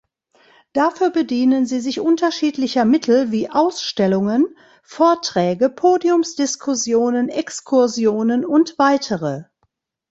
Dafür bedienen sie sich unterschiedlicher Mittel wie Ausstellungen, Vorträge, Podiumsdiskussionen, Exkursionen und weitere.